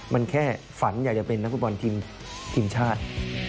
มันแค่ฝันอยากจะเป็นนักฟุตบอลทีมชาติ